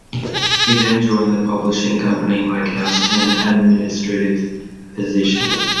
He then joined the publishing company Lake House in an administrative position.